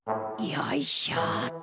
よいしょっと。